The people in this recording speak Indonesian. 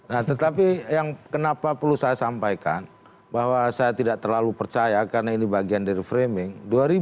nah tetapi yang kenapa perlu saya sampaikan bahwa saya tidak terlalu percaya karena ini bagian dari framing